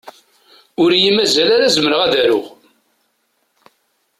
Ur yi-mazal ara zemreɣ ad aruɣ.